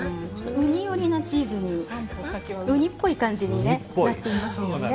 ウニ寄りなチーズにウニっぽい感じになってますよね。